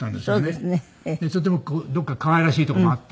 それとどこか可愛らしいとこもあって。